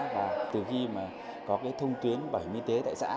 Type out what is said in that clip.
và từ khi mà có cái thông tuyến bảo hiểm y tế tại xã